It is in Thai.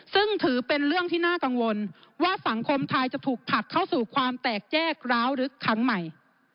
ซึ่งถือเป็นเรื่องที่น่ากังวลว่าสังคมไทยจะถูกผลักเข้าสู่ความแตกแยกร้าวลึกครั้งใหม่